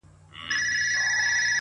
• د هجرت غوټه تړمه روانېږم،